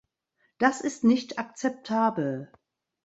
Das ist nicht akzeptabel!